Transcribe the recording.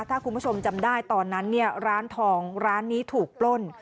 ถ้าคุณผู้ชมจำได้ตอนนั้นเนี่ยร้านทองร้านนี้ถูกปล้น